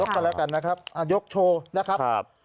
ยกกันแล้วกันนะครับอ่ายกโชว์นะครับครับ